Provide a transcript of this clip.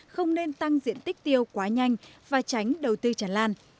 không nên tăng diện tích tiêu quá nhanh và tránh đầu tư chẳng lan